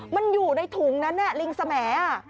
มันอยู่ในถุงนั้นลิงสมแห